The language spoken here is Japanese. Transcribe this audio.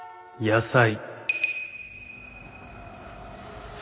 野菜？